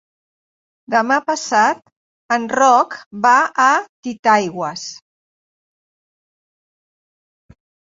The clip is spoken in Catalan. Demà passat en Roc va a Titaigües.